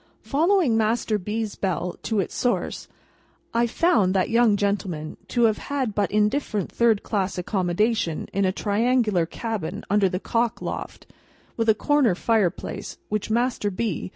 Following Master B.'s bell to its source I found that young gentleman to have had but indifferent third class accommodation in a triangular cabin under the cock loft, with a corner fireplace which Master B.